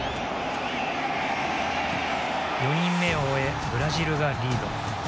４人目を終えブラジルがリード。